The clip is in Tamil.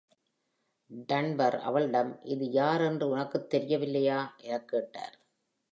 Dunbar அவளிடம், இது யார் என்று உனக்கு தெரியவில்லையா? எனக் கேட்டார்.